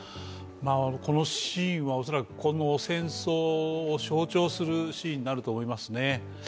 このシーンはおそらく、この戦争を象徴するシーンになると思いますね。